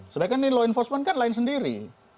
sebenarnya law enforcement kan lain sendiri